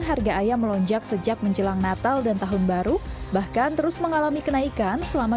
harga ayam melonjak sejak menjelang natal dan tahun baru bahkan terus mengalami kenaikan selama